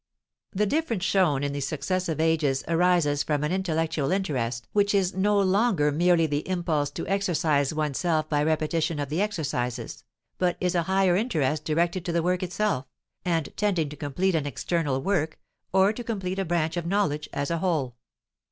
The difference shown in the successive ages arises from an intellectual interest which is no longer merely the impulse to exercise oneself by repetition of the exercises, but is a higher interest directed to the work itself, and tending to complete an external work, or to complete a branch of knowledge as a whole.